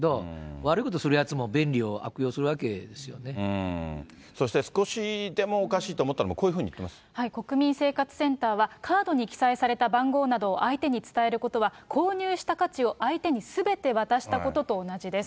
悪いことするやつも便利を悪用すそして少しでもおかしいと思ったら、国民生活センターは、カードに記載された番号などを相手に伝えることは、購入した価値を相手にすべて渡したことと同じです。